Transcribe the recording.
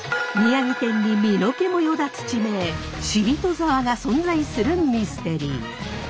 宮城県に身の毛もよだつ地名死人沢が存在するミステリー。